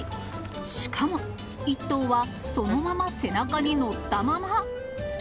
しかも、１頭はそのまま背中に乗ったまま。